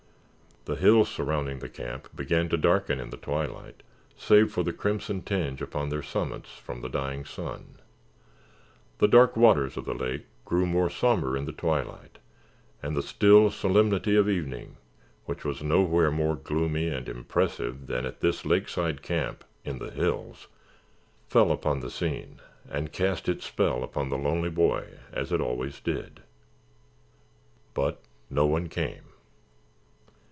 The hills surrounding the camp began to darken in the twilight, save for the crimson tinge upon their summits from the dying sun; the dark waters of the lake grew more sombre in the twilight and the still solemnity of evening, which was nowhere more gloomy and impressive than at this lakeside camp in the hills, fell upon the scene and cast its spell upon the lonely boy as it always did. But no one came.